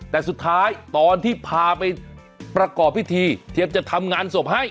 แต่สุดท้ายตอนที่พาไปประกอบพิธีเตรียมจะทำงานศพให้